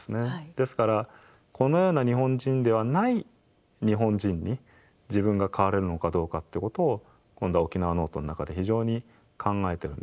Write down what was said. ですからこのような日本人ではない日本人に自分が変われるのかどうかってことを今度は「沖縄ノート」の中で非常に考えてるんですね。